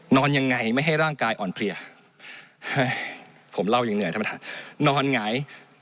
นอนยังไงไม่ให้ร่างกายอ่อนเพลียผมเล่ายังเหนื่อยนะครับ